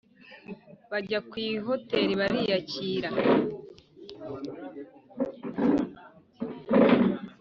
bajya ku ihoteli bariyakira